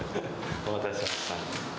お待たせしました。